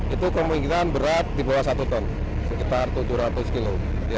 itu kemungkinan berat di bawah satu ton sekitar tujuh ratus kilo